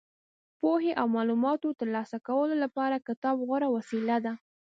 پوهې او معلوماتو ترلاسه کولو لپاره کتاب غوره وسیله ده.